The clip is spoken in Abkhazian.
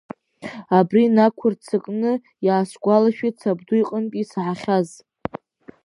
Абри инақәырццакны иаасгәалашәеит сабду иҟынтәи исаҳахьаз…